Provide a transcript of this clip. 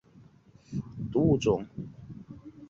莫氏蓝带蚊是婆罗洲沙巴特有的的蓝带蚊属物种。